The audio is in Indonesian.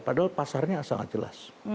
padahal pasarnya sangat jelas